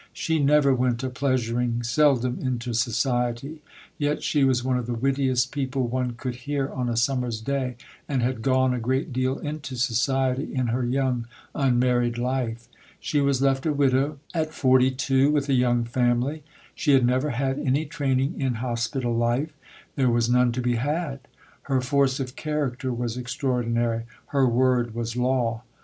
She never went a pleasuring, seldom into society. Yet she was one of the wittiest people one could hear on a summer's day, and had gone a great deal into society in her young unmarried life. She was left a widow at 42 with a young family. She had never had any training in hospital life, there was none to be had. Her force of character was extraordinary. Her word was law.